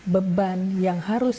beban yang harus